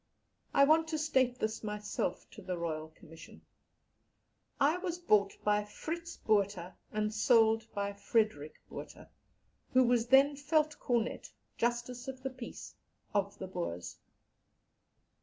I want to state this myself to the Royal Commission. I was bought by Fritz Botha and sold by Frederick Botha, who was then veldt cornet (justice of the peace) of the Boers."